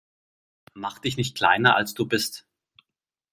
Mach dich nicht kleiner, als du bist.